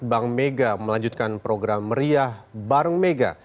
bank mega melanjutkan program meriah bareng mega